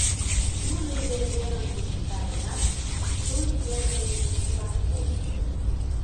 Южо вере верым ончыкта гынат, историй тергыме чынлан ок тол.